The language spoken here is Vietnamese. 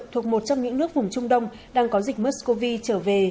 thuộc một trong những nước vùng trung đông đang có dịch mers cov trở về